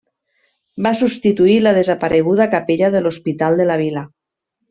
Va substituir la desapareguda capella de l'Hospital de la vila.